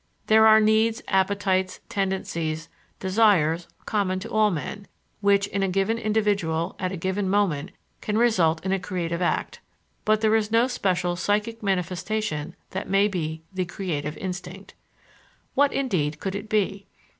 There are needs, appetites, tendencies, desires, common to all men, which, in a given individual at a given moment can result in a creative act; but there is no special psychic manifestation that may be the "creative instinct." What, indeed, could it be?